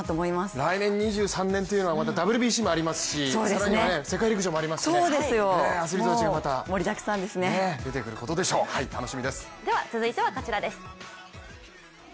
来年２３年というのはまたＷＢＣもありますし、更には世界陸上もありますし、アスリートたちがまた出てくることでしょう、楽しみです。